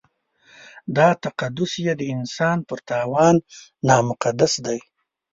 دا تقدس یې د انسان پر تاوان نامقدس دی.